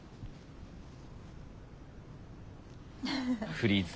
フリーズ。